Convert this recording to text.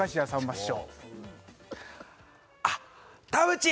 師匠